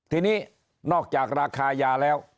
ทีนี้นอกจากราคายาแล้ว